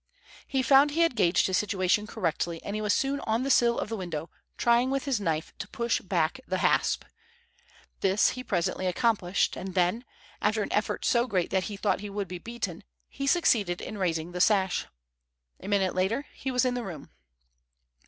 He found he had gauged his situation correctly, and he was soon on the sill of the window, trying with his knife to push back the hasp. This he presently accomplished, and then, after an effort so great that he thought he would be beaten, he succeeded in raising the sash. A minute later he was in the room.